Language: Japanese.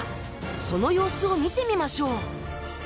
その様子を見てみましょう。